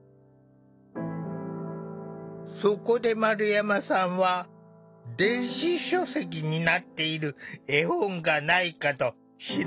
そこで丸山さんは電子書籍になっている絵本がないかと調べてみた。